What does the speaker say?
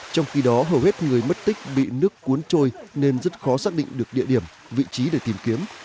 trong khi đó hầu hết người mất tích bị nước cuốn trôi nên rất khó xác định được địa điểm vị trí để tìm kiếm